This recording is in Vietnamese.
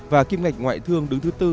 và kim ngạch ngoại thương đứng thứ bốn